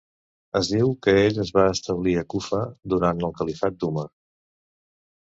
Es diu que ell es va establir a Kufa durant el califat d'Umar.